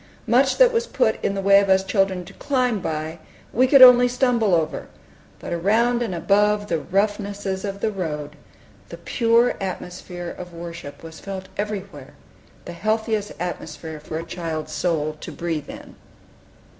Much that was put in the way of us children to climb by, we could only stumble over; but around and above the roughnesses of the road, the pure atmosphere of worship was felt everywhere, the healthiest atmosphere for a child's soul to breathe in.